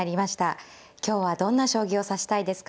今日はどんな将棋を指したいですか。